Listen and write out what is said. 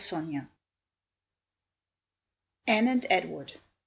to bed!" ANNE AND EDWARD.